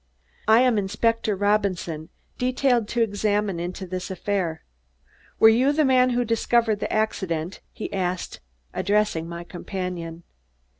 "I am Inspector Robinson, detailed to examine into this affair. Were you the man who discovered the accident?" he asked, addressing my companion.